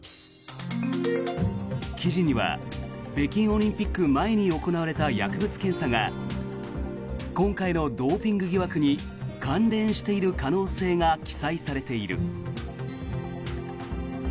記事には北京オリンピック前に行われた薬物検査が今回のドーピング疑惑に関連している可能性が記載されている。